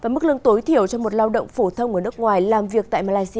mức lương tối thiểu cho một lao động phổ thông ở nước ngoài làm việc tại malaysia